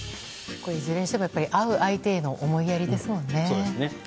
いずれにしても会う相手への思いやりですもんね。